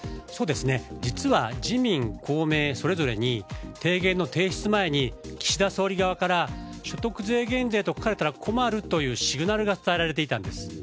実は自民・公明それぞれに提言の提出前に岸田総理側から所得税減税と書かれたら困るというシグナルが伝えられていたんです。